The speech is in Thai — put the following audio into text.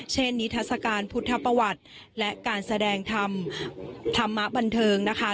เช่นนิทธาศกาลพุทธประวัติและการแสดงธรรมธรรมะบันเทิงนะคะ